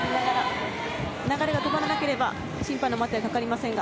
流れが止まらなければ審判の待てはかかりませんが。